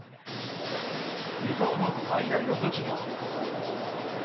伊東の最大の武器が。